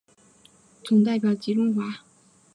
总代表吉钟华。